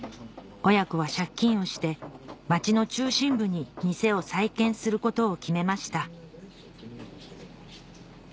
親子は借金をして町の中心部に店を再建することを決めました